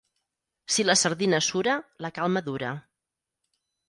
Si la sardina sura, la calma dura.